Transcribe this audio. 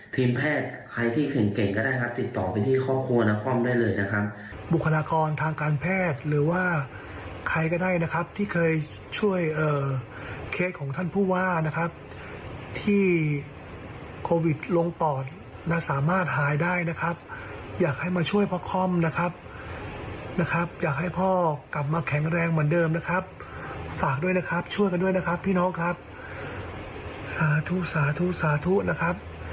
แพทย์ใครที่อื่นเก่งก็ได้ครับติดต่อไปที่ครอบครัวนาคอมได้เลยนะครับบุคลากรทางการแพทย์หรือว่าใครก็ได้นะครับที่เคยช่วยเคสของท่านผู้ว่านะครับที่โควิดลงปอดน่าสามารถหายได้นะครับอยากให้มาช่วยพ่อค่อมนะครับนะครับอยากให้พ่อกลับมาแข็งแรงเหมือนเดิมนะครับฝากด้วยนะครับช่วยกันด้วยนะครับพี่น้องครับสาธุสาธุสาธุนะครับ